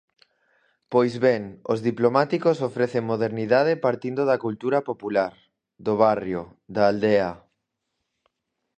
Pois ben, os Diplomáticos ofrecen modernidade partindo da cultura popular, do barrio, da aldea.